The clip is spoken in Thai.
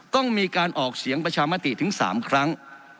ต้องมีการออกเสียงประชามติถึง๓ครั้ง